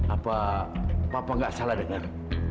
apa papa gak salah denger